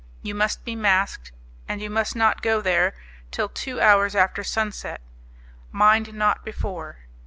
You must be masked, and you must not go there till two hours after sunset; mind, not before.